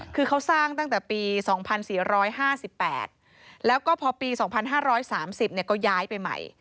คือเขาสร้างตั้งแต่ปี๒๔๕๘แล้วก็พอปี๒๕๓๐ก็ย้ายไปใหม่